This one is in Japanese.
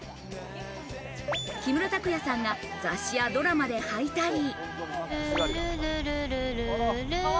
木村拓哉さんが雑誌やドラマで履いたり。